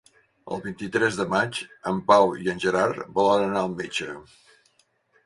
El vint-i-tres de maig en Pau i en Gerard volen anar al metge.